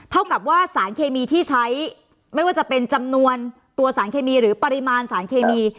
เท่ากับว่าสารเคมีที่ใช้ไม่ว่าจะเป็นจำนวนตัวสารเคมีหรือปริมาณสารเคมี